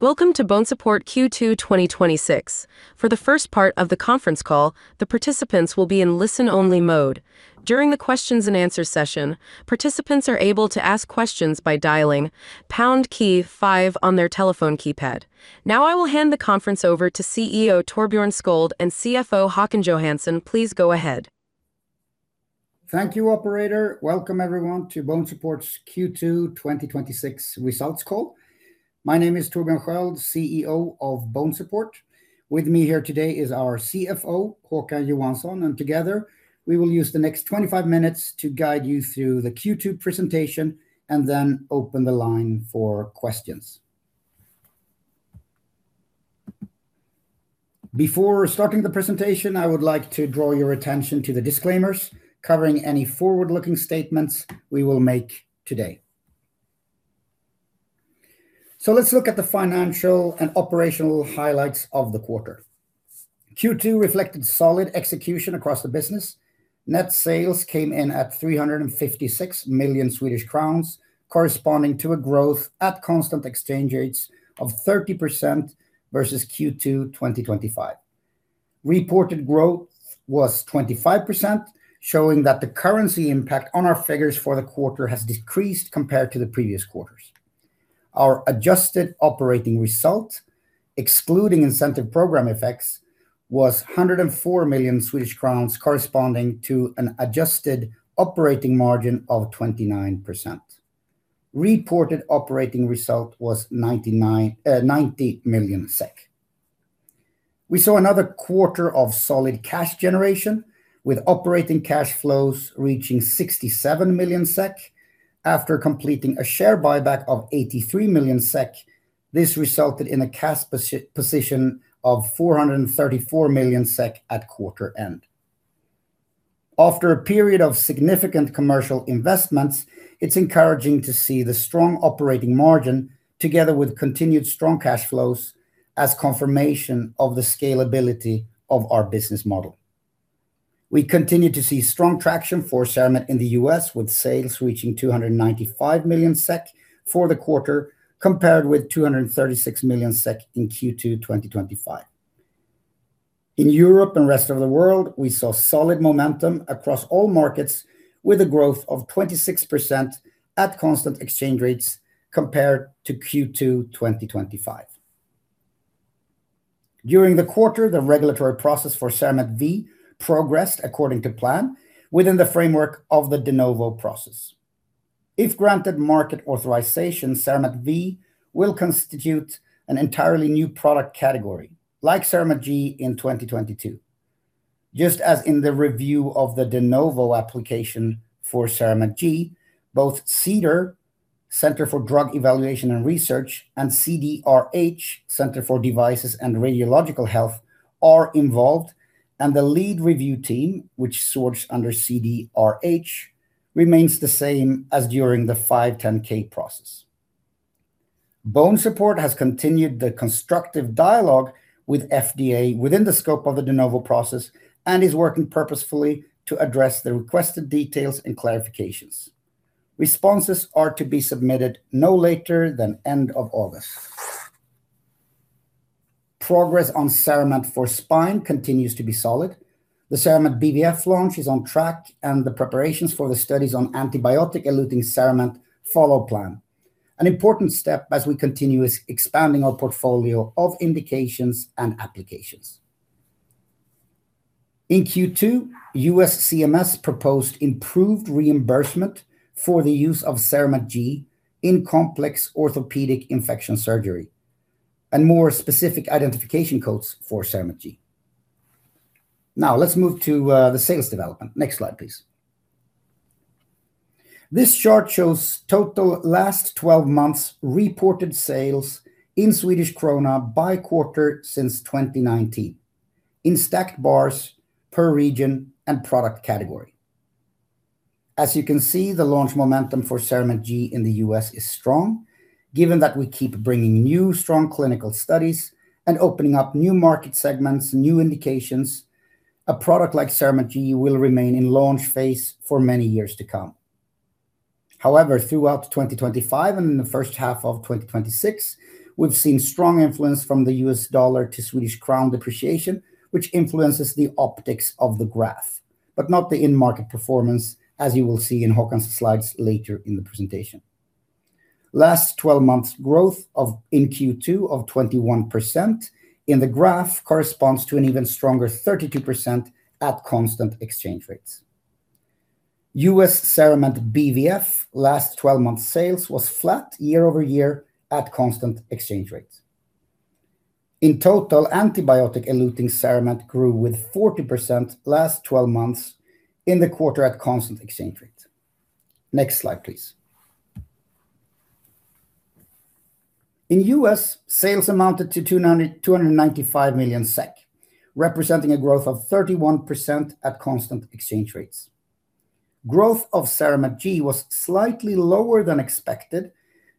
Welcome to BONESUPPORT Q2 2026. For the first part of the conference call, the participants will be in listen-only mode. During the questions and answers session, participants are able to ask questions by dialing pound key five on their telephone keypad. Now I will hand the conference over to CEO Torbjörn Sköld and CFO Håkan Johansson. Please go ahead. Thank you, operator. Welcome, everyone, to BONESUPPORT's Q2 2026 results call. My name is Torbjörn Sköld, CEO of BONESUPPORT. With me here today is our CFO, Håkan Johansson, and together we will use the next 25 minutes to guide you through the Q2 presentation and then open the line for questions. Before starting the presentation, I would like to draw your attention to the disclaimers covering any forward-looking statements we will make today. Let's look at the financial and operational highlights of the quarter. Q2 reflected solid execution across the business. Net sales came in at 356 million Swedish crowns, corresponding to a growth at constant exchange rates of 30% versus Q2 2025. Reported growth was 25%, showing that the currency impact on our figures for the quarter has decreased compared to the previous quarters. Our adjusted operating result, excluding incentive program effects, was 104 million Swedish crowns, corresponding to an adjusted operating margin of 29%. Reported operating result was 90 million SEK. We saw another quarter of solid cash generation, with operating cash flows reaching 67 million SEK. After completing a share buyback of 83 million SEK, this resulted in a cash position of 434 million SEK at quarter end. After a period of significant commercial investments, it's encouraging to see the strong operating margin together with continued strong cash flows as confirmation of the scalability of our business model. We continue to see strong traction for CERAMENT in the U.S., with sales reaching 295 million SEK for the quarter, compared with 236 million SEK in Q2 2025. In Europe and rest of the world, we saw solid momentum across all markets with a growth of 26% at constant exchange rates compared to Q2 2025. During the quarter, the regulatory process for CERAMENT V progressed according to plan within the framework of the De Novo process. If granted market authorization, CERAMENT V will constitute an entirely new product category, like CERAMENT G in 2022. Just as in the review of the De Novo application for CERAMENT G, both CDER, Center for Drug Evaluation and Research, and CDRH, Center for Devices and Radiological Health, are involved, and the lead review team, which sorts under CDRH, remains the same as during the 510 process. BONESUPPORT has continued the constructive dialogue with FDA within the scope of the De Novo process and is working purposefully to address the requested details and clarifications. Responses are to be submitted no later than end of August. Progress on CERAMENT for spine continues to be solid. The CERAMENT BVF launch is on track, and the preparations for the studies on antibiotic-eluting CERAMENT follow plan, an important step as we continue expanding our portfolio of indications and applications. In Q2, U.S. CMS proposed improved reimbursement for the use of CERAMENT G in complex orthopedic infection surgery and more specific identification codes for CERAMENT G. Let's move to the sales development. Next slide, please. This chart shows total last 12 months reported sales in SEK by quarter since 2019 in stacked bars per region and product category. As you can see, the launch momentum for CERAMENT G in the U.S. is strong. Given that we keep bringing new strong clinical studies and opening up new market segments, new indications, a product like CERAMENT G will remain in launch phase for many years to come. Throughout 2025 and in the first half of 2026, we've seen strong influence from the U.S. dollar to Swedish krona depreciation, which influences the optics of the graph, but not the in-market performance, as you will see in Håkan's slides later in the presentation. Last 12 months growth in Q2 of 21% in the graph corresponds to an even stronger 32% at constant exchange rates. U.S. CERAMENT BVF last 12 months sales was flat year-over-year at constant exchange rates. In total, antibiotic-eluting CERAMENT grew with 40% last 12 months in the quarter at constant exchange rates. Next slide, please. In U.S., sales amounted to 295 million SEK, representing a growth of 31% at constant exchange rates. Growth of CERAMENT G was slightly lower than expected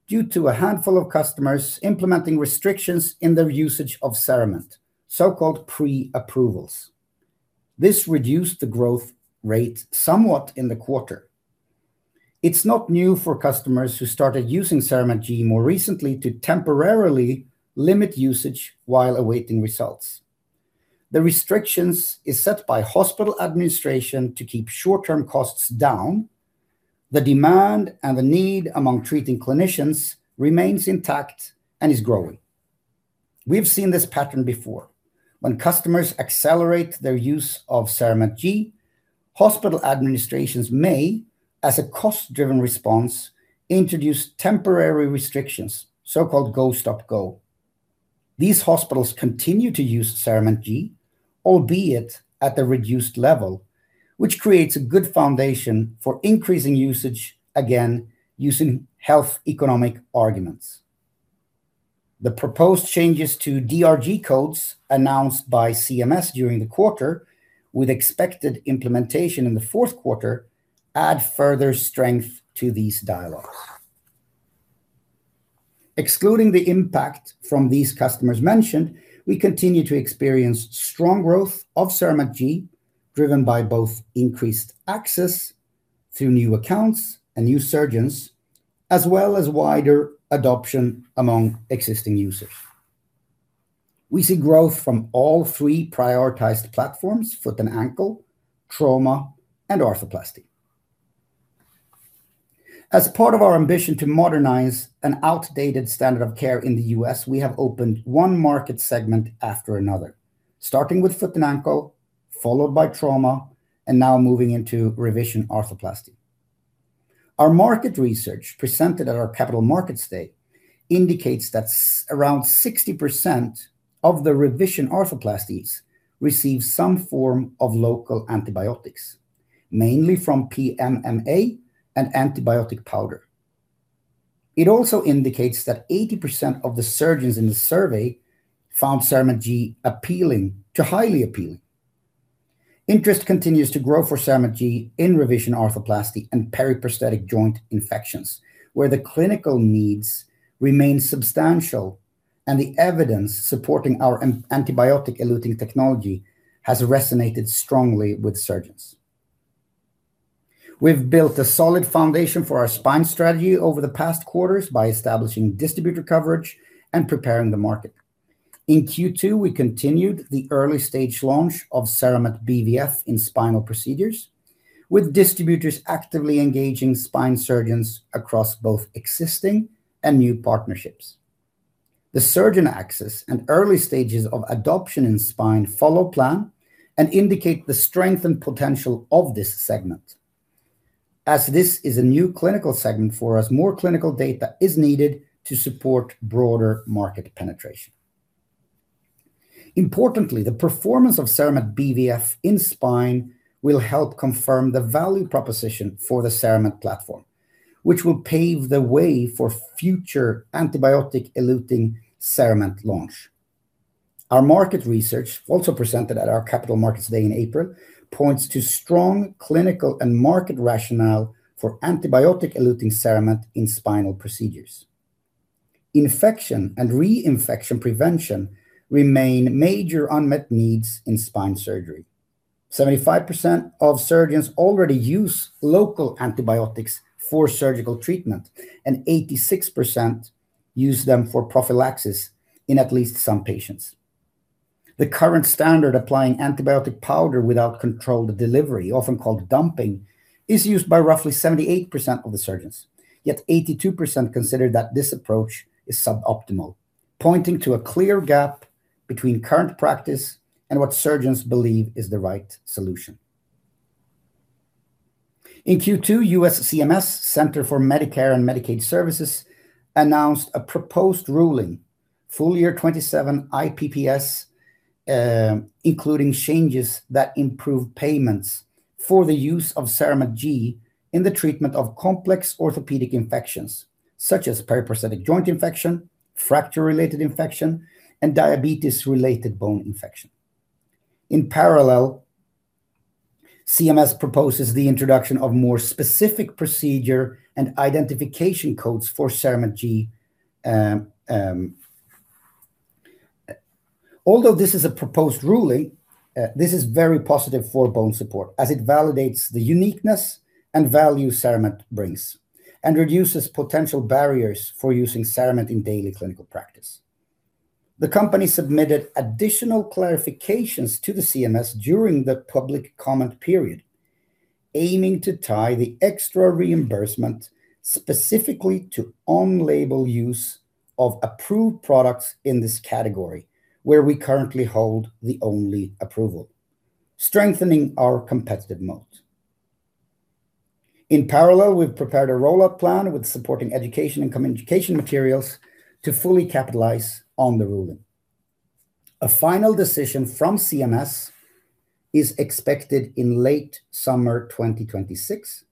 due to a handful of customers implementing restrictions in their usage of CERAMENT, so-called pre-approvals. This reduced the growth rate somewhat in the quarter. It's not new for customers who started using CERAMENT G more recently to temporarily limit usage while awaiting results. The restrictions is set by hospital administration to keep short-term costs down. The demand and the need among treating clinicians remains intact and is growing. We've seen this pattern before. When customers accelerate their use of CERAMENT G, hospital administrations may, as a cost-driven response, introduce temporary restrictions, so-called go-stop-go. These hospitals continue to use CERAMENT G, albeit at the reduced level, which creates a good foundation for increasing usage, again, using health economic arguments. The proposed changes to DRG codes announced by CMS during the quarter, with expected implementation in the fourth quarter, add further strength to these dialogues. Excluding the impact from these customers mentioned, we continue to experience strong growth of CERAMENT G, driven by both increased access through new accounts and new surgeons, as well as wider adoption among existing users. We see growth from all three prioritized platforms, foot and ankle, trauma, and arthroplasty. As part of our ambition to modernize an outdated standard of care in the U.S., we have opened one market segment after another, starting with foot and ankle, followed by trauma, and now moving into revision arthroplasty. Our market research presented at our capital markets day indicates that around 60% of the revision arthroplasties receive some form of local antibiotics, mainly from PMMA and antibiotic powder. It also indicates that 80% of the surgeons in the survey found CERAMENT G appealing to highly appealing. Interest continues to grow for CERAMENT G in revision arthroplasty and periprosthetic joint infections, where the clinical needs remain substantial and the evidence supporting our antibiotic-eluting technology has resonated strongly with surgeons. We've built a solid foundation for our spine strategy over the past quarters by establishing distributor coverage and preparing the market. In Q2, we continued the early-stage launch of CERAMENT BVF in spinal procedures, with distributors actively engaging spine surgeons across both existing and new partnerships. The surgeon access and early stages of adoption in spine follow plan and indicate the strength and potential of this segment. As this is a new clinical segment for us, more clinical data is needed to support broader market penetration. Importantly, the performance of CERAMENT BVF in spine will help confirm the value proposition for the CERAMENT platform, which will pave the way for future antibiotic-eluting CERAMENT launch. Our market research, also presented at our Capital Markets Day in April, points to strong clinical and market rationale for antibiotic-eluting CERAMENT in spinal procedures. Infection and reinfection prevention remain major unmet needs in spine surgery. 75% of surgeons already use local antibiotics for surgical treatment, and 86% use them for prophylaxis in at least some patients. The current standard applying antibiotic powder without controlled delivery, often called dumping, is used by roughly 78% of the surgeons. Yet 82% consider that this approach is suboptimal, pointing to a clear gap between current practice and what surgeons believe is the right solution. In Q2, U.S. CMS, Centers for Medicare & Medicaid Services, announced a proposed ruling, full year 2027 IPPS, including changes that improve payments for the use of CERAMENT G in the treatment of complex orthopedic infections, such as periprosthetic joint infection, fracture-related infection, and diabetes-related bone infection. In parallel, CMS proposes the introduction of more specific procedure and identification codes for CERAMENT G. Although this is a proposed ruling, this is very positive for BONESUPPORT, as it validates the uniqueness and value CERAMENT brings and reduces potential barriers for using CERAMENT in daily clinical practice. The company submitted additional clarifications to the CMS during the public comment period, aiming to tie the extra reimbursement specifically to on-label use of approved products in this category, where we currently hold the only approval, strengthening our competitive moat. In parallel, we've prepared a roll-up plan with supporting education and communication materials to fully capitalize on the ruling. A final decision from CMS is expected in late summer 2026,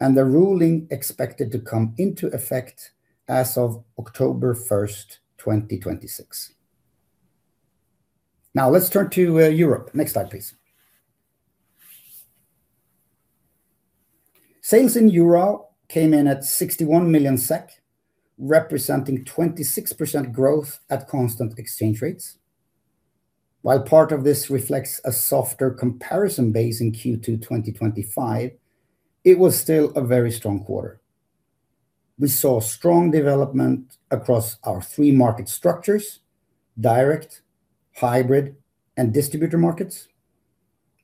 and the ruling expected to come into effect as of October 1st, 2026. Let's turn to Europe. Next slide, please. Sales in Euro came in at 61 million SEK, representing 26% growth at constant exchange rates. While part of this reflects a softer comparison base in Q2 2025, it was still a very strong quarter. We saw strong development across our three market structures: direct, hybrid, and distributor markets.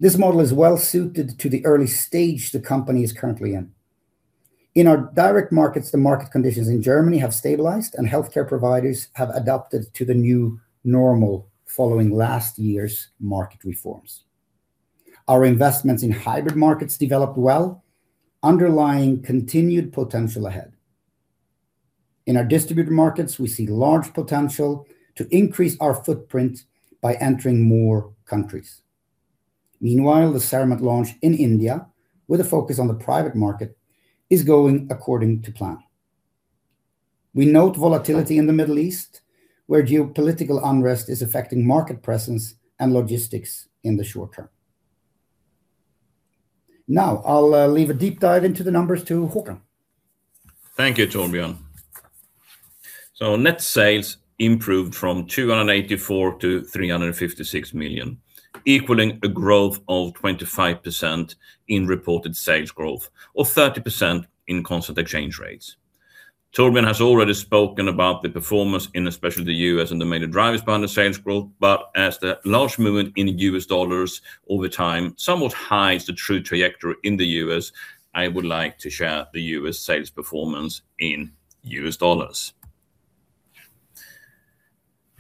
This model is well-suited to the early stage the company is currently in. In our direct markets, the market conditions in Germany have stabilized, and healthcare providers have adapted to the new normal following last year's market reforms. Our investments in hybrid markets developed well, underlying continued potential ahead. In our distributor markets, we see large potential to increase our footprint by entering more countries. Meanwhile, the CERAMENT launch in India, with a focus on the private market, is going according to plan. We note volatility in the Middle East, where geopolitical unrest is affecting market presence and logistics in the short term. I'll leave a deep dive into the numbers to Håkan. Thank you, Torbjörn. Net sales improved from 284 million to 356 million, equaling a growth of 25% in reported sales growth or 30% in constant exchange rates. Torbjörn has already spoken about the performance in especially the U.S. and the major drivers behind the sales growth. As the large movement in US dollars over time somewhat hides the true trajectory in the U.S., I would like to share the U.S. sales performance in US dollars.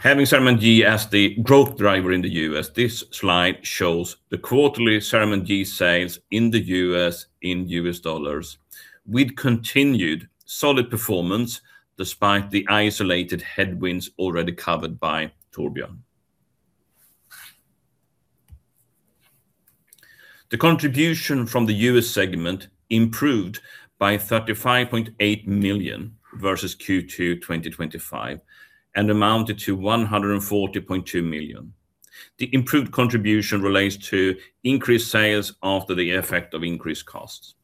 Having CERAMENT G as the growth driver in the U.S., this slide shows the quarterly CERAMENT G sales in the U.S. in US dollars, with continued solid performance despite the isolated headwinds already covered by Torbjörn. The contribution from the U.S. segment improved by $35.8 million versus Q2 2025 and amounted to $140.2 million. The improved contribution relates to increased sales after the effect of increased costs.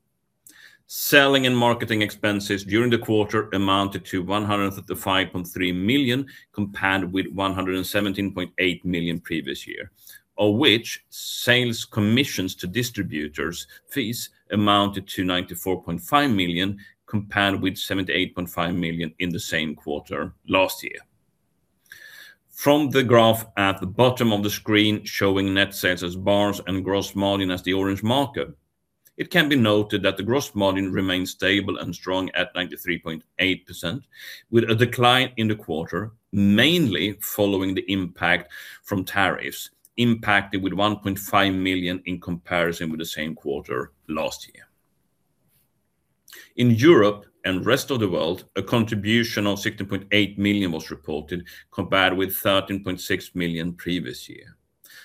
Selling and marketing expenses during the quarter amounted to 135.3 million, compared with 117.8 million previous year, of which sales commissions to distributors' fees amounted to 94.5 million, compared with 78.5 million in the same quarter last year. From the graph at the bottom of the screen showing net sales as bars and gross margin as the orange marker, it can be noted that the gross margin remains stable and strong at 93.8%, with a decline in the quarter, mainly following the impact from tariffs, impacted with 1.5 million in comparison with the same quarter last year. In Europe and rest of the world, a contribution of 16.8 million was reported, compared with 13.6 million previous year.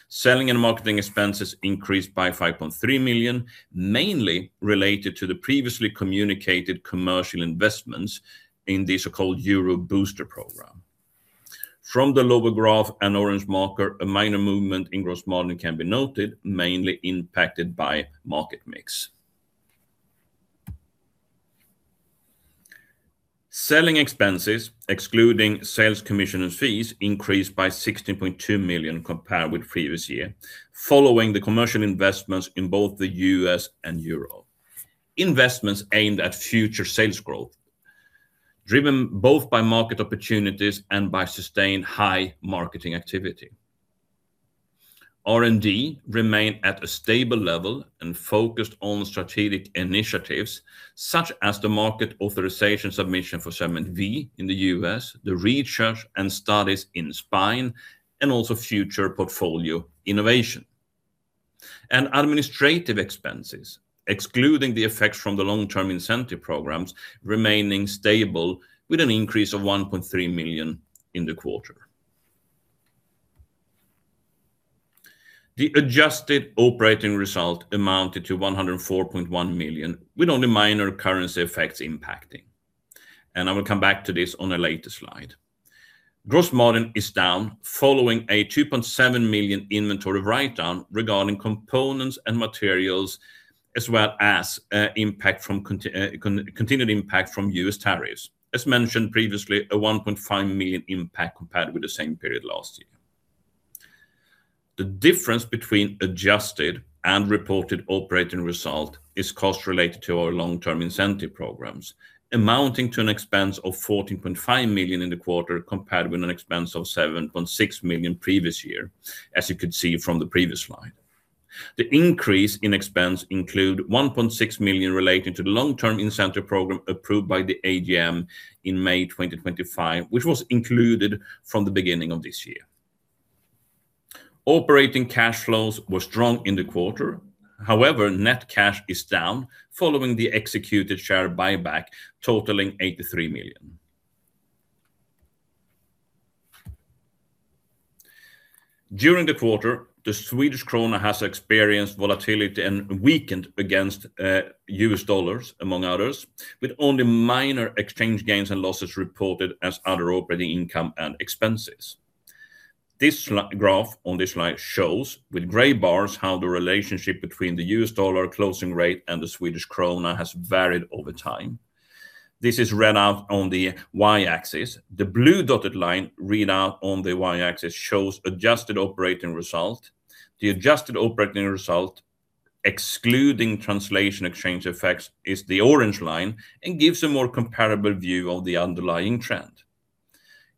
Selling and marketing expenses increased by 5.3 million, mainly related to the previously communicated commercial investments in the so-called EUROW Booster Program. From the lower graph and orange marker, a minor movement in gross margin can be noted, mainly impacted by market mix. Selling expenses, excluding sales commission and fees, increased by 16.2 million compared with previous year, following the commercial investments in both the U.S. and Europe. Investments aimed at future sales growth, driven both by market opportunities and by sustained high marketing activity. R&D remained at a stable level and focused on strategic initiatives such as the market authorization submission for CERAMENT V in the U.S., the research and studies in spine, and also future portfolio innovation. Administrative expenses, excluding the effects from the long-term incentive programs, remaining stable with an increase of 1.3 million in the quarter. The adjusted operating result amounted to 104.1 million, with only minor currency effects impacting. I will come back to this on a later slide. Gross margin is down following a 2.7 million inventory write-down regarding components and materials, as well as continued impact from U.S. tariffs. As mentioned previously, a 1.5 million impact compared with the same period last year. The difference between adjusted and reported operating result is cost related to our long-term incentive programs, amounting to an expense of 14.5 million in the quarter, compared with an expense of 7.6 million previous year, as you could see from the previous slide. The increase in expense include 1.6 million relating to the long-term incentive program approved by the AGM in May 2025, which was included from the beginning of this year. Operating cash flows were strong in the quarter. Net cash is down following the executed share buyback totaling 83 million. During the quarter, the Swedish krona has experienced volatility and weakened against US dollars, among others, with only minor exchange gains and losses reported as other operating income and expenses. This graph on this slide shows with gray bars how the relationship between the US dollar closing rate and the Swedish krona has varied over time. This is read out on the Y-axis. The blue dotted line read out on the Y-axis shows adjusted operating result. The adjusted operating result Excluding translation exchange effects is the orange line and gives a more comparable view of the underlying trend.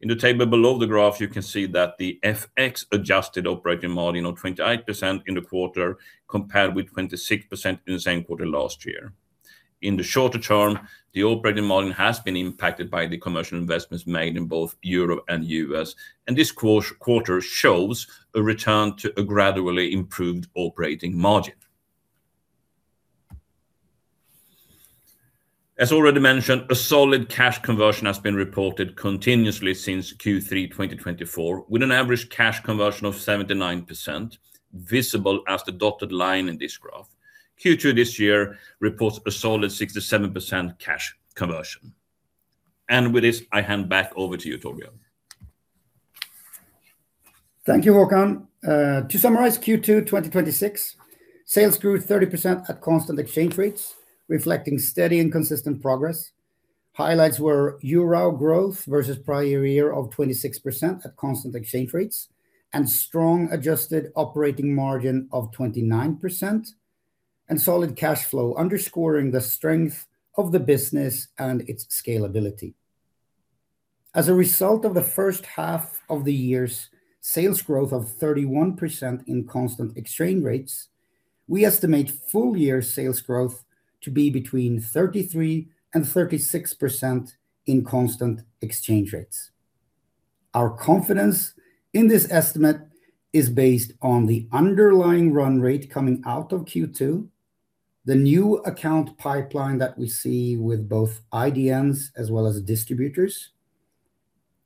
In the table below the graph, you can see that the FX-adjusted operating margin of 28% in the quarter, compared with 26% in the same quarter last year. In the shorter term, the operating margin has been impacted by the commercial investments made in both Europe and U.S. This quarter shows a return to a gradually improved operating margin. As already mentioned, a solid cash conversion has been reported continuously since Q3 2024, with an average cash conversion of 79%, visible as the dotted line in this graph. Q2 this year reports a solid 67% cash conversion. With this, I hand back over to you, Torbjörn. Thank you, Håkan. To summarize Q2 2026, sales grew 30% at constant exchange rates, reflecting steady and consistent progress. Highlights were EUROW growth versus prior year of 26% at constant exchange rates and strong adjusted operating margin of 29%, and solid cash flow underscoring the strength of the business and its scalability. As a result of the first half of the year's sales growth of 31% in constant exchange rates, we estimate full-year sales growth to be between 33% and 36% in constant exchange rates. Our confidence in this estimate is based on the underlying run rate coming out of Q2, the new account pipeline that we see with both IDNs as well as distributors,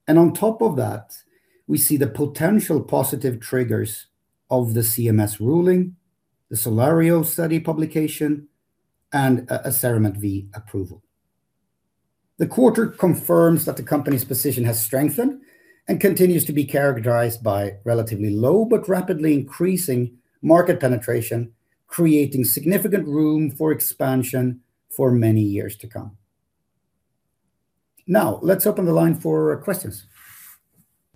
and on top of that, we see the potential positive triggers of the CMS ruling, the SOLARIO study publication, and a CERAMENT V approval. The quarter confirms that the company's position has strengthened and continues to be characterized by relatively low but rapidly increasing market penetration, creating significant room for expansion for many years to come. Let's open the line for questions.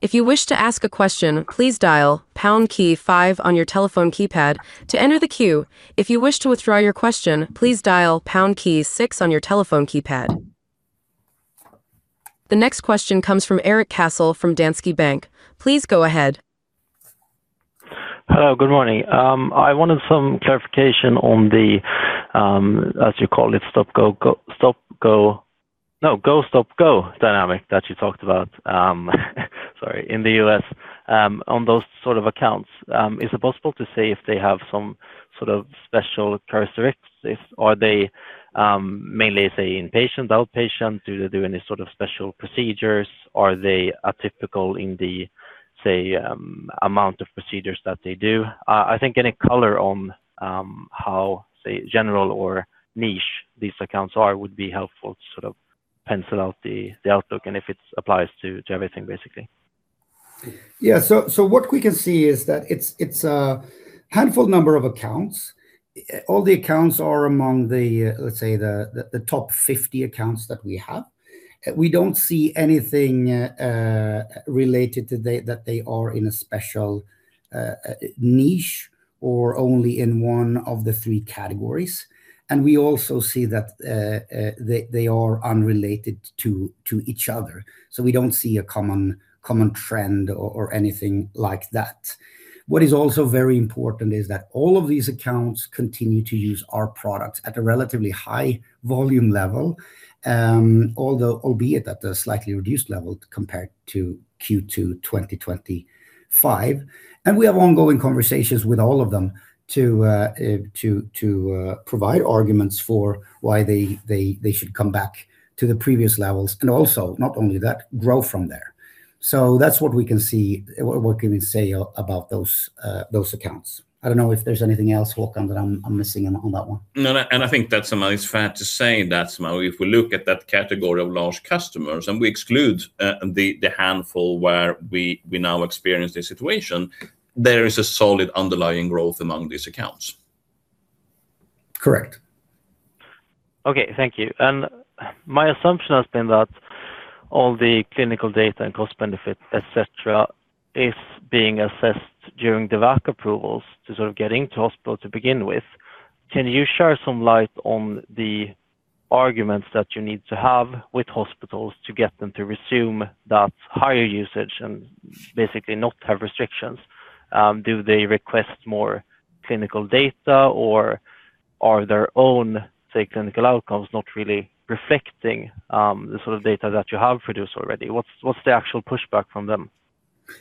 If you wish to ask a question, please dial pound key five on your telephone keypad to enter the queue. If you wish to withdraw your question, please dial pound key six on your telephone keypad. The next question comes from Erik Cassel from Danske Bank. Please go ahead. Hello. Good morning. I wanted some clarification on the, as you call it, go-stop-go dynamic that you talked about in the U.S., on those sort of accounts. Is it possible to say if they have some sort of special characteristics? Are they mainly, say, inpatient, outpatient? Do they do any sort of special procedures? Are they atypical in the, say, amount of procedures that they do? I think any color on how, say, general or niche these accounts are would be helpful to pencil out the outlook and if it applies to everything, basically. Yeah. What we can see is that it's a handful number of accounts. All the accounts are among the, let's say, the top 50 accounts that we have. We don't see anything related to that they are in a special niche or only in one of the three categories. We also see that they are unrelated to each other. We don't see a common trend or anything like that. What is also very important is that all of these accounts continue to use our products at a relatively high volume level. Albeit at a slightly reduced level compared to Q2 2025. We have ongoing conversations with all of them to provide arguments for why they should come back to the previous levels. Also, not only that, grow from there. That's what we can say about those accounts. I don't know if there's anything else, Håkan, that I'm missing on that one. No, I think that somehow it's fair to say that somehow if we look at that category of large customers and we exclude the handful where we now experience this situation, there is a solid underlying growth among these accounts. Correct. Okay. Thank you. My assumption has been that all the clinical data and cost benefit, et cetera, is being assessed during the VAC approvals to sort of get into hospital to begin with. Can you share some light on the arguments that you need to have with hospitals to get them to resume that higher usage and basically not have restrictions? Do they request more clinical data, or are their own, say, clinical outcomes not really reflecting the sort of data that you have produced already? What's the actual pushback from them?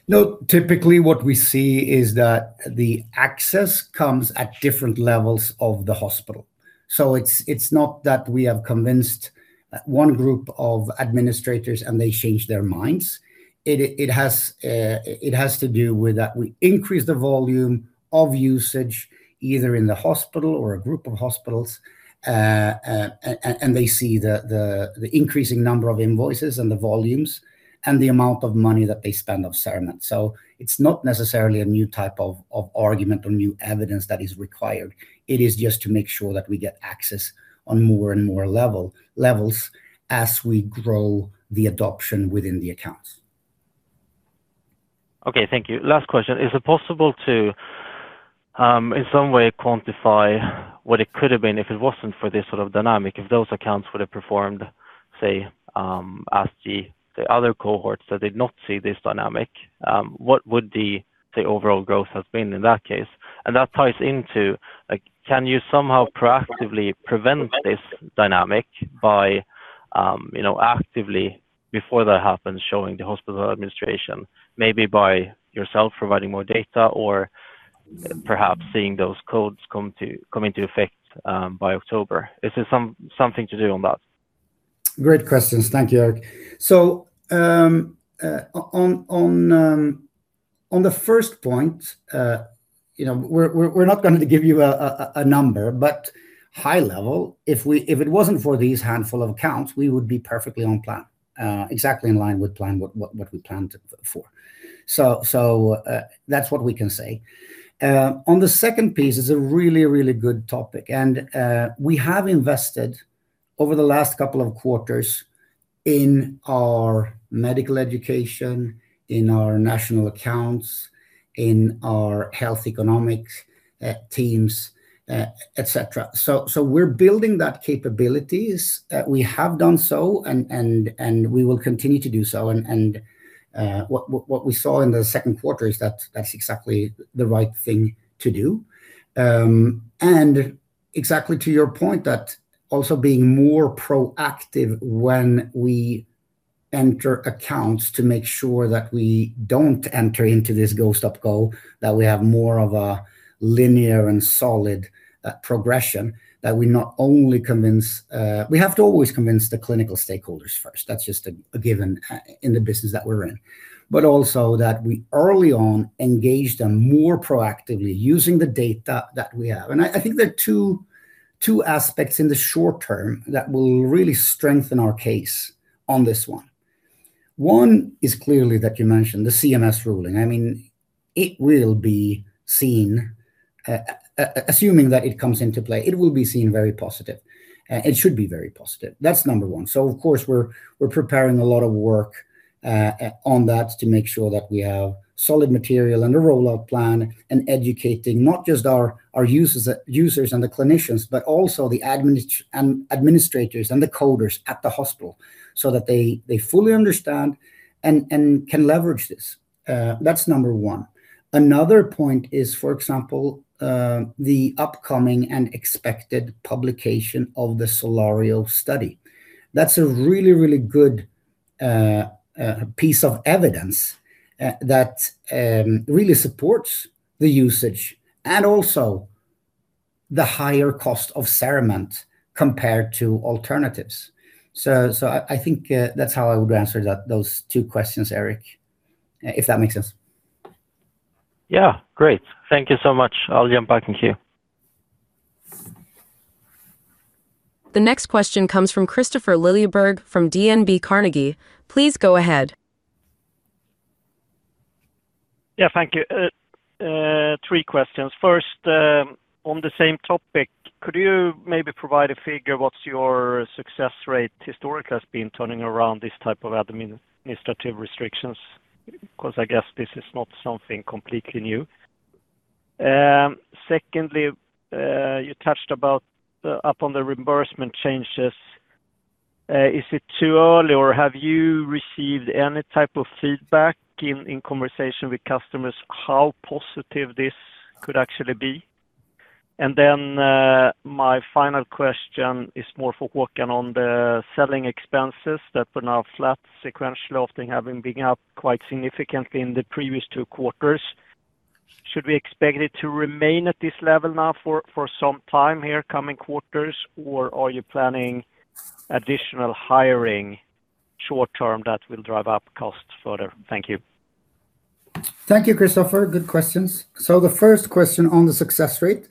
No, typically what we see is that the access comes at different levels of the hospital. It's not that we have convinced one group of administrators and they change their minds. It has to do with that we increase the volume of usage, either in the hospital or a group of hospitals, and they see the increasing number of invoices and the volumes and the amount of money that they spend of CERAMENT. It's not necessarily a new type of argument or new evidence that is required. It is just to make sure that we get access on more and more levels as we grow the adoption within the accounts. Okay, thank you. Last question. Is it possible to, in some way, quantify what it could have been if it wasn't for this sort of dynamic, if those accounts would have performed, say, as the other cohorts that did not see this dynamic? What would the overall growth have been in that case? That ties into, can you somehow proactively prevent this dynamic by actively, before that happens, showing the hospital administration, maybe by yourself providing more data or perhaps seeing those codes come into effect by October? Is there something to do on that? Great questions. Thank you, Erik. On the first point, we're not going to give you a number, but high level, if it wasn't for these handful of accounts, we would be perfectly on plan, exactly in line with what we planned for. That's what we can say. On the second piece is a really good topic, we have invested over the last couple of quarters in our medical education, in our national accounts, in our health economics teams, et cetera. We're building that capabilities. We have done so, and we will continue to do so. What we saw in the second quarter is that's exactly the right thing to do. Exactly to your point that also being more proactive when we enter accounts to make sure that we don't enter into this go-stop-go, that we have more of a linear and solid progression. We have to always convince the clinical stakeholders first. That's just a given in the business that we're in. Also that we early on engage them more proactively using the data that we have. I think there are two aspects in the short term that will really strengthen our case on this one. One is clearly that you mentioned, the CMS ruling. It will be seen, assuming that it comes into play, it will be seen very positive. It should be very positive. That's number one. Of course, we're preparing a lot of work on that to make sure that we have solid material and a rollout plan, and educating not just our users and the clinicians, but also the administrators and the coders at the hospital so that they fully understand and can leverage this. That's number one. Another point is, for example, the upcoming and expected publication of the SOLARIO study. That's a really good piece of evidence that really supports the usage and also the higher cost of CERAMENT compared to alternatives. I think that's how I would answer those two questions, Erik, if that makes sense. Yeah. Great. Thank you so much. I'll jump back in queue. The next question comes from Kristofer Liljeberg from DNB Carnegie. Please go ahead. Yeah, thank you. Three questions. First, on the same topic, could you maybe provide a figure what's your success rate historically has been turning around this type of administrative restrictions? I guess this is not something completely new. Secondly, you touched upon the reimbursement changes. Is it too early or have you received any type of feedback in conversation with customers how positive this could actually be? My final question is more for Håkan on the selling expenses that were now flat sequentially after having been up quite significantly in the previous two quarters. Should we expect it to remain at this level now for some time here coming quarters, or are you planning additional hiring short term that will drive up costs further? Thank you. Thank you, Kristofer. Good questions. The first question on the success rate.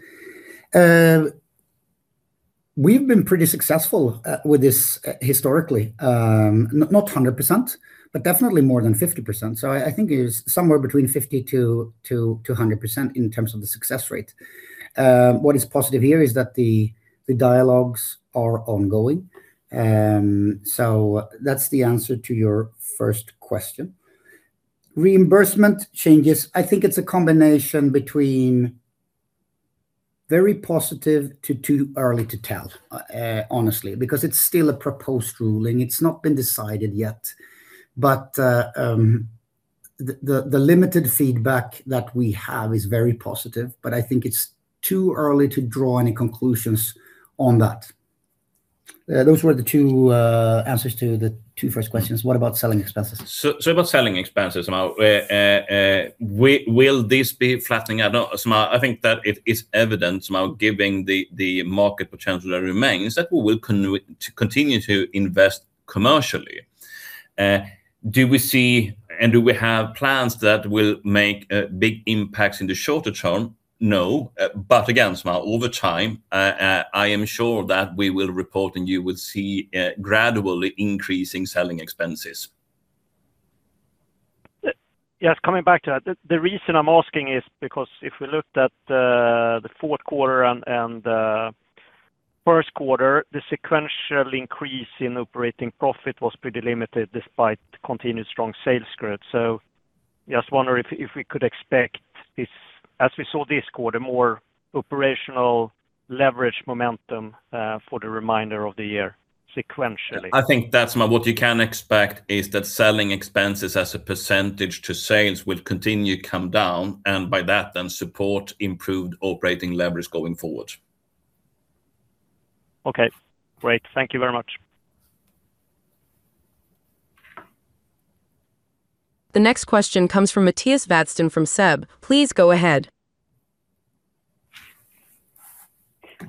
We've been pretty successful with this historically. Not 100%, but definitely more than 50%. I think it is somewhere between 50%-100% in terms of the success rate. What is positive here is that the dialogues are ongoing. That's the answer to your first question. Reimbursement changes, I think it's a combination between very positive to too early to tell, honestly, because it's still a proposed ruling. It's not been decided yet. The limited feedback that we have is very positive, but I think it's too early to draw any conclusions on that. Those were the two answers to the two first questions. What about selling expenses? About selling expenses, will this be flattening out? I think that it is evident, given the market potential that remains, that we will continue to invest commercially. Do we see and do we have plans that will make big impacts in the shorter term? No. Again, over time, I am sure that we will report and you would see gradually increasing selling expenses. Yes, coming back to that. The reason I'm asking is because if we looked at the fourth quarter and first quarter, the sequential increase in operating profit was pretty limited despite continued strong sales growth. Just wonder if we could expect this, as we saw this quarter, more operational leverage momentum for the remainder of the year sequentially. I think that's what you can expect is that selling expenses as a percentage to sales will continue to come down, and by that then support improved operating leverage going forward. Great. Thank you very much. The next question comes from Mattias Vadsten from SEB. Please go ahead.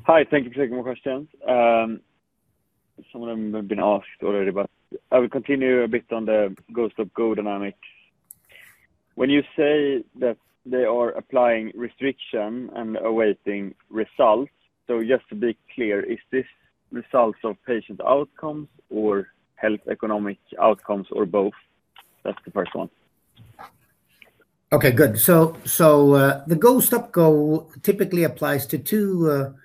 Hi. Thank you for taking my questions. Some of them have been asked already, I will continue a bit on the go-stop-go dynamics. When you say that they are applying restriction and awaiting results, just to be clear, is this results of patient outcomes or health economic outcomes or both? That's the first one. Okay, good. The go-stop-go typically applies to two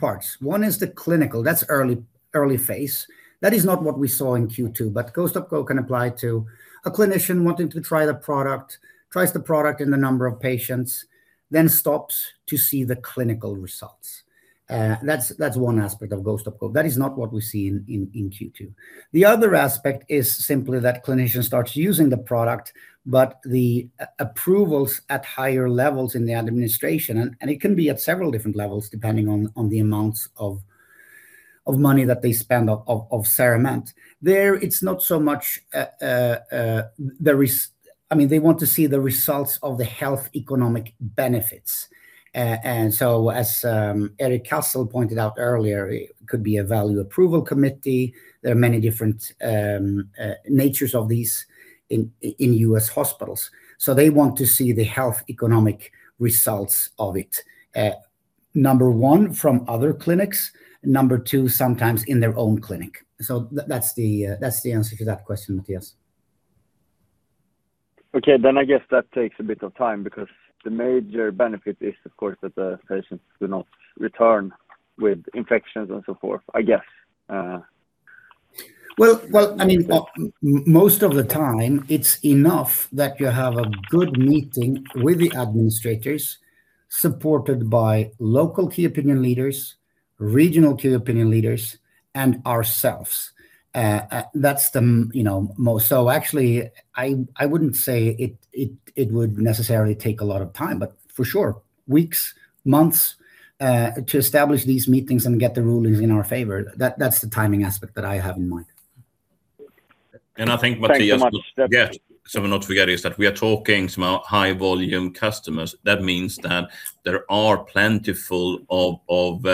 parts. One is the clinical, that's early phase. That is not what we saw in Q2. Go-stop-go can apply to a clinician wanting to try the product, tries the product in a number of patients, then stops to see the clinical results. That's one aspect of go-stop-go. That is not what we see in Q2. The other aspect is simply that clinician starts using the product, but the approvals at higher levels in the administration, and it can be at several different levels depending on the amounts of money that they spend of CERAMENT. There, it's not so much they want to see the results of the health economic benefits. As Erik Cassel pointed out earlier, it could be a Value Analysis Committee. There are many different natures of these in U.S. hospitals. They want to see the health economic results of it. Number one, from other clinics, number two, sometimes in their own clinic. That's the answer to that question, Mattias. I guess that takes a bit of time because the major benefit is, of course, that the patients do not return with infections and so forth, I guess. Well, most of the time, it's enough that you have a good meeting with the administrators supported by local key opinion leaders, regional key opinion leaders, and ourselves. That's the most. Actually, I wouldn't say it would necessarily take a lot of time, but for sure, weeks, months to establish these meetings and get the rulings in our favor. That's the timing aspect that I have in mind. I think, Mattias Thanks so much We not forget is that we are talking to high volume customers. That means that there are plentiful of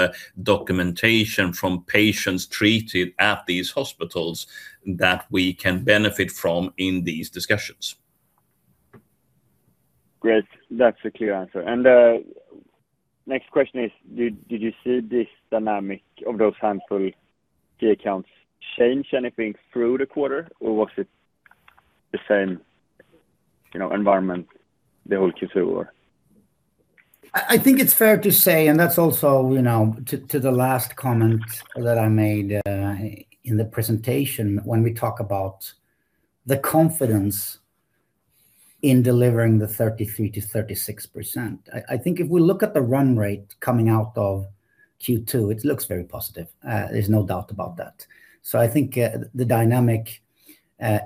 documentation from patients treated at these hospitals that we can benefit from in these discussions. Great. That's a clear answer. Next question is, did you see this dynamic of those handful key accounts change anything through the quarter, or was it the same environment the whole Q2 quarter? I think it's fair to say, that's also to the last comment that I made in the presentation when we talk about the confidence in delivering the 33%-36%. I think if we look at the run rate coming out of Q2, it looks very positive. There's no doubt about that. I think the dynamic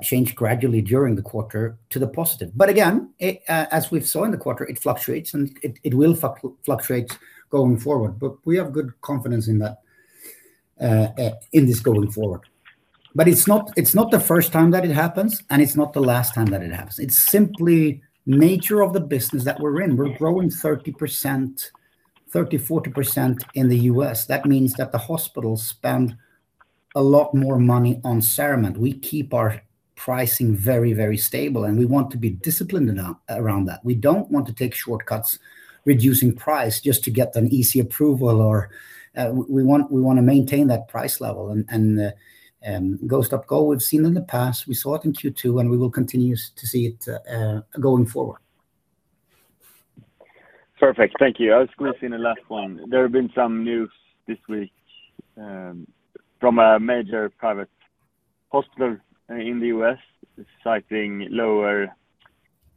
changed gradually during the quarter to the positive. Again, as we saw in the quarter, it fluctuates, and it will fluctuate going forward. We have good confidence in this going forward. It's not the first time that it happens, and it's not the last time that it happens. It's simply nature of the business that we're in. We're growing 30%, 30%-40% in the U.S. That means that the hospitals spend a lot more money on CERAMENT. We keep our pricing very, very stable, and we want to be disciplined around that. We don't want to take shortcuts reducing price just to get an easy approval. We want to maintain that price level and go-stop-go, we've seen in the past, we saw it in Q2, and we will continue to see it going forward. Perfect. Thank you. I was going to the last one. There have been some news this week from a major private hospital in the U.S. citing lower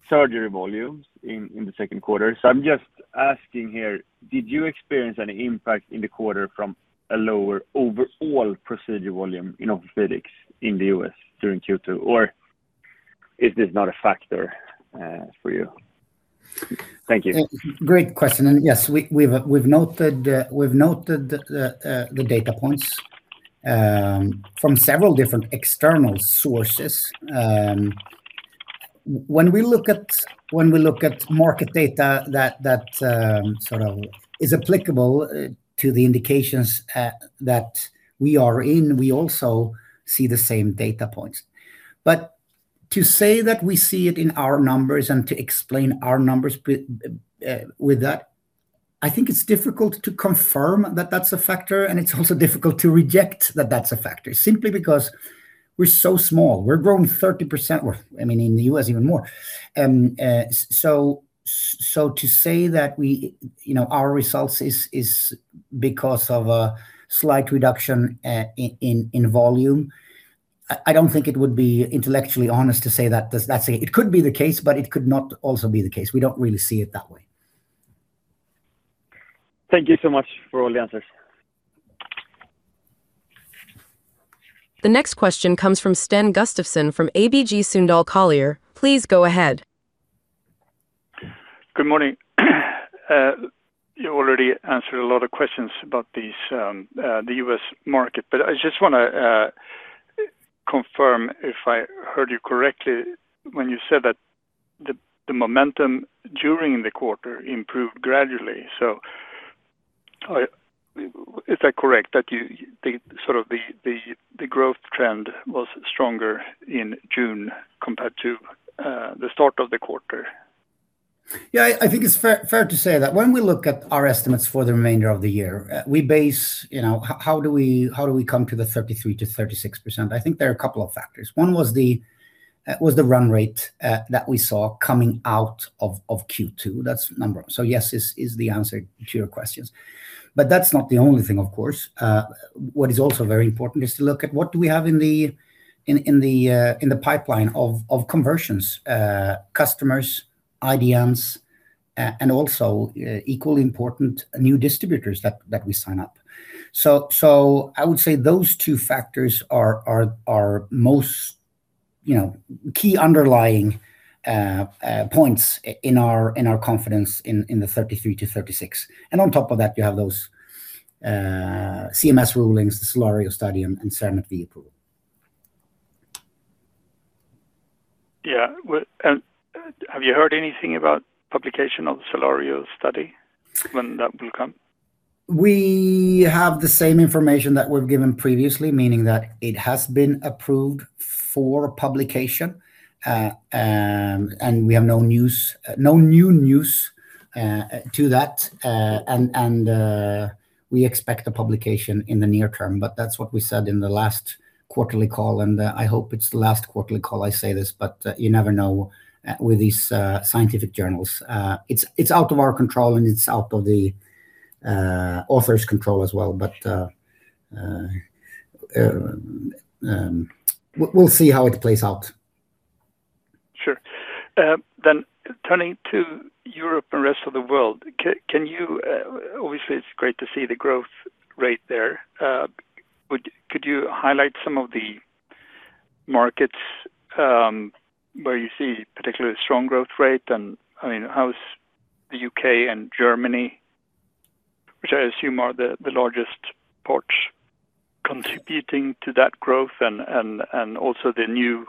surgery volumes in the second quarter. I'm just asking here, did you experience any impact in the quarter from a lower overall procedure volume in orthopedics in the U.S. during Q2, or is this not a factor for you? Thank you. Great question. Yes, we've noted the data points from several different external sources. When we look at market data that sort of is applicable to the indications that we are in, we also see the same data points. To say that we see it in our numbers and to explain our numbers with that, I think it's difficult to confirm that that's a factor, and it's also difficult to reject that that's a factor simply because We're so small. We're growing 30%, in the U.S., even more. To say that our results is because of a slight reduction in volume, I don't think it would be intellectually honest to say that. It could be the case, but it could not also be the case. We don't really see it that way. Thank you so much for all the answers. The next question comes from Sten Gustafsson from ABG Sundal Collier. Please go ahead. Good morning. You already answered a lot of questions about the U.S. market, but I just want to confirm if I heard you correctly when you said that the momentum during the quarter improved gradually. Is that correct, that the growth trend was stronger in June compared to the start of the quarter? I think it's fair to say that when we look at our estimates for the remainder of the year, how do we come to the 33%-36%? I think there are a couple of factors. One was the run rate that we saw coming out of Q2. That's number one. Yes, is the answer to your questions. That's not the only thing, of course. What is also very important is to look at what do we have in the pipeline of conversions, customers, IDNs, and also, equally important, new distributors that we sign up. I would say those two factors are most key underlying points in our confidence in the 33%-36%. On top of that, you have those CMS rulings, the SOLARIO study, and certain V approval. Have you heard anything about publication of SOLARIO study, when that will come? We have the same information that we've given previously, meaning that it has been approved for publication, and we have no new news to that. We expect a publication in the near term, that's what we said in the last quarterly call, and I hope it's the last quarterly call I say this, you never know with these scientific journals. It's out of our control, and it's out of the author's control as well. We'll see how it plays out. Sure. Turning to Europe and Rest of the World, obviously, it's great to see the growth rate there. Could you highlight some of the markets where you see particularly strong growth rate? How is the U.K. and Germany, which I assume are the largest parts contributing to that growth and also the new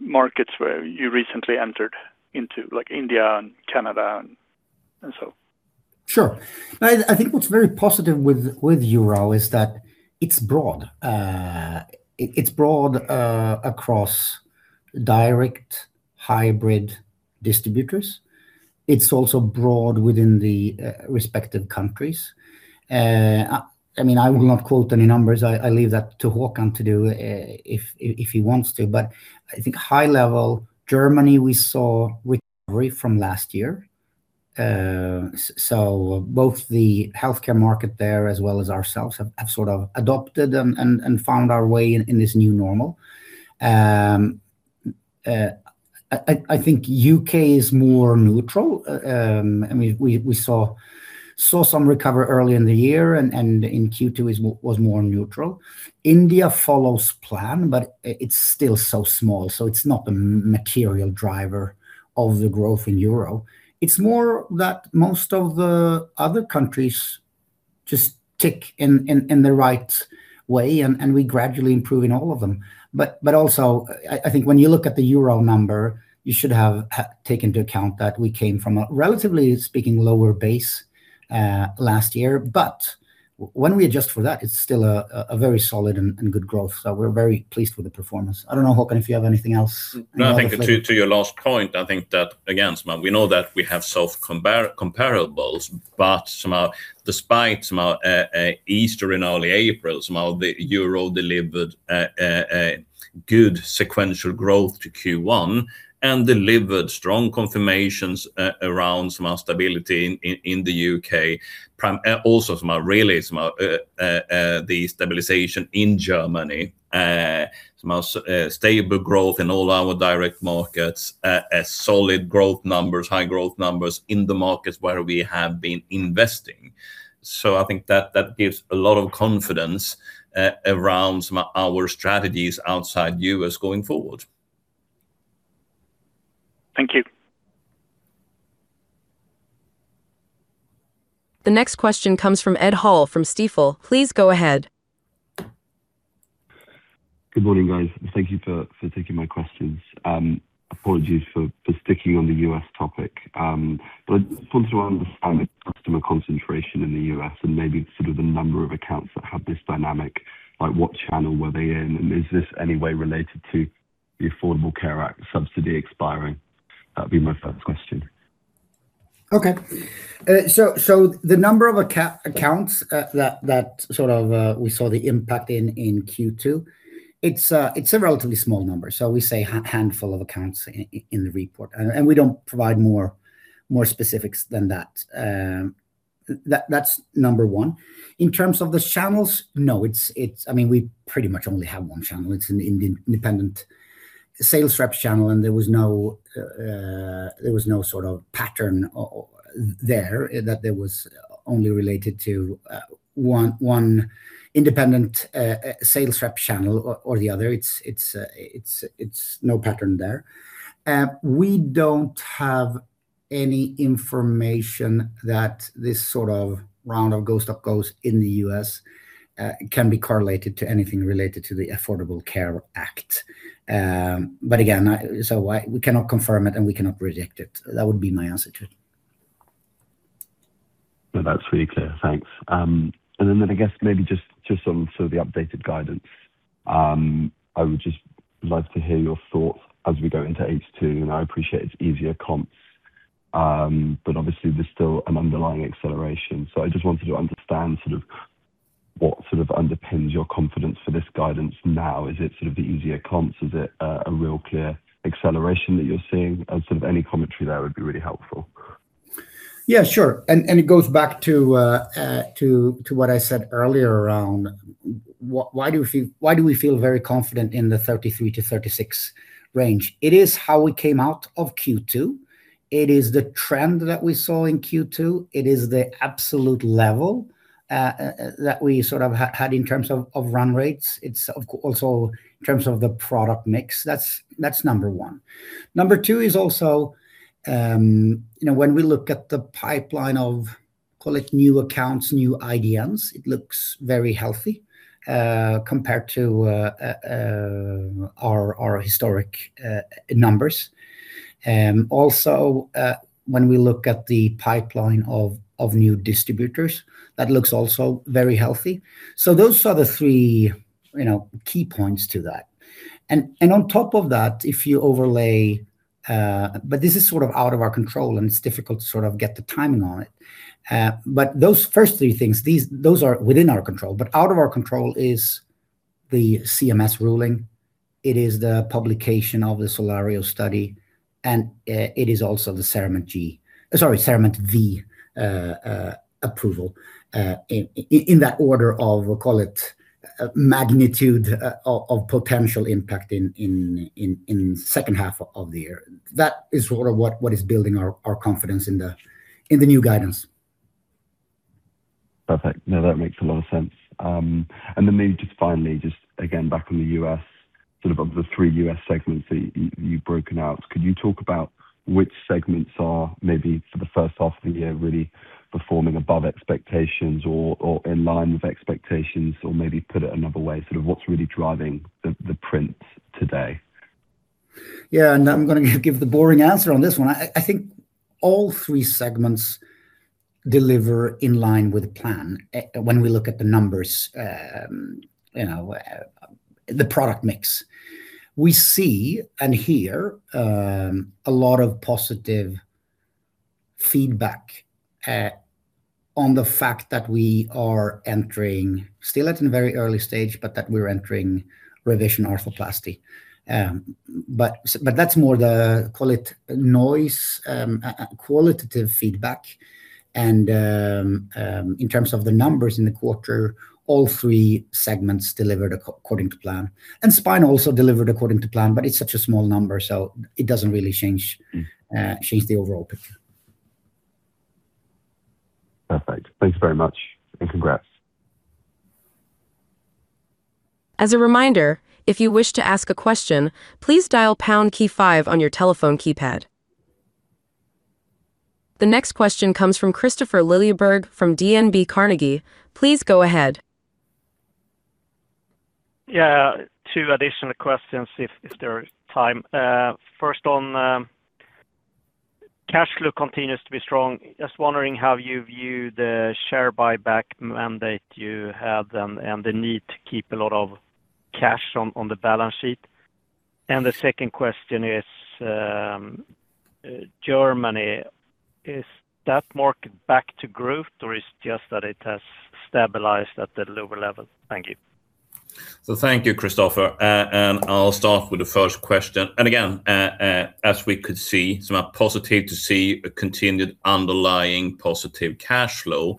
markets where you recently entered into like India and Canada and so forth? Sure. I think what's very positive with EUROW is that it's broad across direct hybrid distributors. It's also broad within the respected countries. I will not quote any numbers. I leave that to Håkan to do if he wants to. I think high level, Germany, we saw recovery from last year. Both the healthcare market there as well as ourselves have sort of adopted and found our way in this new normal. I think U.K. is more neutral. We saw some recover early in the year, and in Q2 was more neutral. India follows plan, but it's still so small, so it's not a material driver of the growth in EUROW. It's more that most of the other countries just tick in the right way, and we gradually improve in all of them. Also, I think when you look at the EUROW number, you should have taken into account that we came from a, relatively speaking, lower base last year. When we adjust for that, it's still a very solid and good growth. We're very pleased with the performance. I don't know, Håkan, if you have anything else you want to add. No, I think to your last point, I think that, again, we know that we have self-comparables, but despite Easter in early April, the EUROW delivered a good sequential growth to Q1 and delivered strong confirmations around stability in the U.K. Also, really the stabilization in Germany, stable growth in all our direct markets, solid growth numbers, high growth numbers in the markets where we have been investing. I think that gives a lot of confidence around our strategies outside U.S. going forward. Thank you. The next question comes from Edward Hall from Stifel. Please go ahead. Good morning, guys. Thank you for taking my questions. Apologies for sticking on the U.S. topic. I just wanted to understand the customer concentration in the U.S. and maybe sort of the number of accounts that have this dynamic. Like what channel were they in, and is this any way related to the Affordable Care Act subsidy expiring? That would be my first question. The number of accounts that we saw the impact in Q2, it is a relatively small number. We say a handful of accounts in the report, and we do not provide more specifics than that. That is number one. In terms of the channels, no. We pretty much only have one channel. It is an independent sales rep channel, and there was no sort of pattern there that there was only related to one independent sales rep channel or the other. It is no pattern there. We do not have any information that this sort of round of go-stop-go in the U.S. can be correlated to anything related to the Affordable Care Act. Again, we cannot confirm it, and we cannot reject it. That would be my answer to it. No, that's really clear. Thanks. I guess maybe just on the updated guidance, I would just like to hear your thoughts as we go into H2, and I appreciate it's easier comps, but obviously there's still an underlying acceleration. I just wanted to understand what sort of underpins your confidence for this guidance now. Is it sort of the easier comps? Is it a real clear acceleration that you're seeing? Any commentary there would be really helpful. Yeah, sure. It goes back to what I said earlier around why do we feel very confident in the 33%-36% range? It is how we came out of Q2. It is the trend that we saw in Q2. It is the absolute level that we sort of had in terms of run rates. It's also in terms of the product mix. That's number one. Number two is also when we look at the pipeline of, call it new accounts, new IDNs, it looks very healthy compared to our historic numbers. Also, when we look at the pipeline of new distributors, that looks also very healthy. Those are the three key points to that. On top of that, if you overlay, but this is sort of out of our control and it's difficult to sort of get the timing on it, but those first three things, those are within our control. Out of our control is the CMS ruling. It is the publication of the SOLARIO study, and it is also the CERAMENT V approval in that order of, we'll call it magnitude of potential impact in second half of the year. That is sort of what is building our confidence in the new guidance. Perfect. No, that makes a lot of sense. Maybe just finally, just again, back on the U.S., sort of the three U.S. segments that you've broken out, could you talk about which segments are maybe for the first half of the year really performing above expectations or in line with expectations? Or maybe put it another way, sort of what's really driving the prints today? I'm going to give the boring answer on this one. I think all three segments deliver in line with plan when we look at the numbers, the product mix. We see and hear a lot of positive feedback on the fact that we are entering, still at a very early stage, but that we're entering revision arthroplasty. That's more the, call it noise, qualitative feedback. In terms of the numbers in the quarter, all three segments delivered according to plan. Spine also delivered according to plan, but it's such a small number, so it doesn't really change the overall picture. Perfect. Thanks very much and congrats. As a reminder, if you wish to ask a question, please dial pound key five on your telephone keypad. The next question comes from Kristofer Liljeberg from DNB Carnegie. Please go ahead. Two additional questions if there is time. First on, cash flow continues to be strong. Just wondering how you view the share buyback mandate you have and the need to keep a lot of cash on the balance sheet. The second question is, Germany, is that market back to growth, or is just that it has stabilized at the lower level? Thank you. Thank you, Kristofer, I'll start with the first question. Again, as we could see, it's positive to see a continued underlying positive cash flow,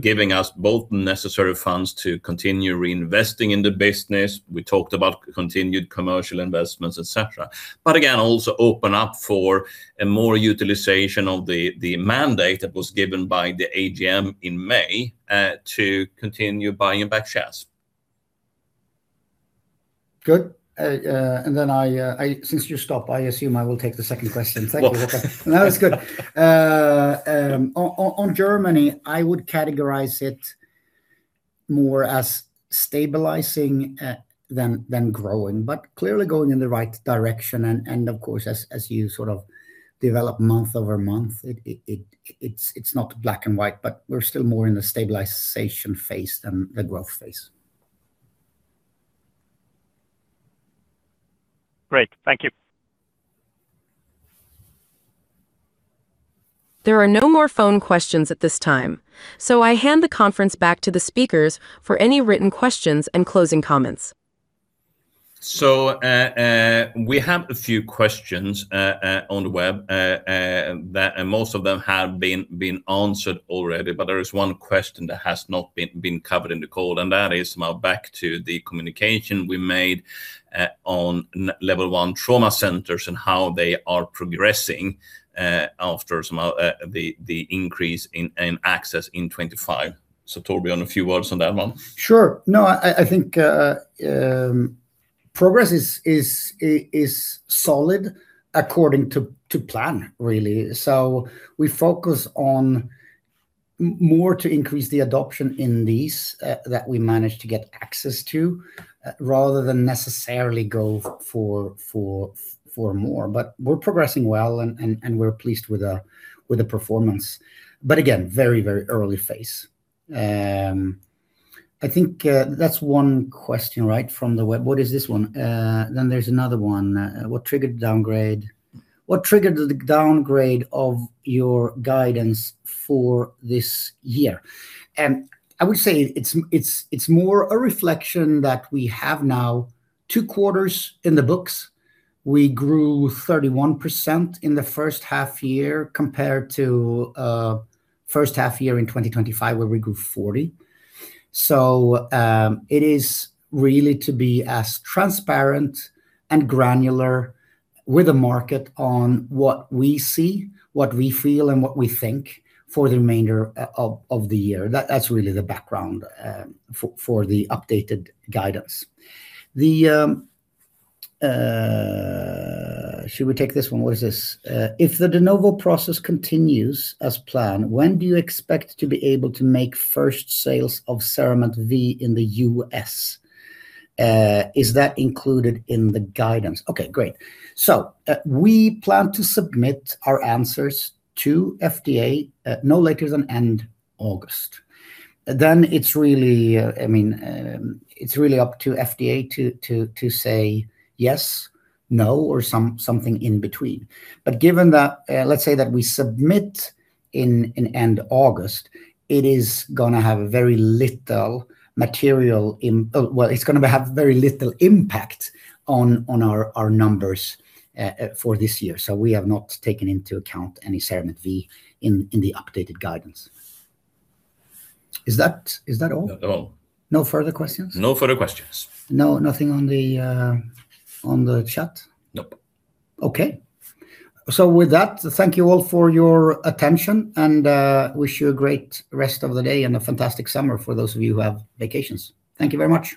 giving us both necessary funds to continue reinvesting in the business. We talked about continued commercial investments, et cetera. Again, also open up for a more utilization of the mandate that was given by the AGM in May to continue buying back shares. Good. Since you stopped, I assume I will take the second question. Thank you. Of course. It's good. On Germany, I would categorize it more as stabilizing than growing, clearly going in the right direction, of course, as you sort of develop month-over-month, it's not black and white, we're still more in the stabilization phase than the growth phase. Great. Thank you. There are no more phone questions at this time. I hand the conference back to the speakers for any written questions and closing comments. We have a few questions on the web, and most of them have been answered already, but there is one question that has not been covered in the call, and that is now back to the communication we made on Level I trauma centers and how they are progressing after the increase in access in 2025. Torbjörn, a few words on that one? Sure. No, I think progress is solid according to plan, really. We focus on more to increase the adoption in these that we managed to get access to, rather than necessarily go for more. We're progressing well, and we're pleased with the performance. Again, very early phase. I think that's one question, right, from the web. What is this one? There's another one. "What triggered the downgrade of your guidance for this year?" I would say it's more a reflection that we have now two quarters in the books. We grew 31% in the first half year compared to first half year in 2025, where we grew 40%. It is really to be as transparent and granular with the market on what we see, what we feel, and what we think for the remainder of the year. That's really the background for the updated guidance. Should we take this one? What is this? "If the De Novo process continues as planned, when do you expect to be able to make first sales of CERAMENT V in the U.S.? Is that included in the guidance?" Okay, great. We plan to submit our answers to FDA no later than end August. It's really up to FDA to say yes, no, or something in between. Given that, let's say that we submit in end August, it is going to have very little impact on our numbers for this year. We have not taken into account any CERAMENT V in the updated guidance. Is that all? That's all. No further questions? No further questions. No, nothing on the chat? Nope. Okay. With that, thank you all for your attention. We wish you a great rest of the day and a fantastic summer for those of you who have vacations. Thank you very much.